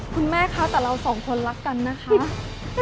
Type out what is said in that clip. คุณแม่คะแต่เราสองคนรักกันนะคะ